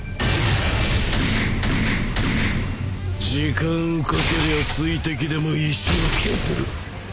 時間をかけりゃ水滴でも石を削る。